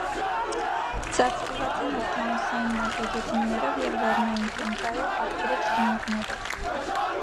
Ծածկված են օվկիանոսային մարգագետիններով և լեռնային տունդրայով, ափերը՝ ջրիմուռներով։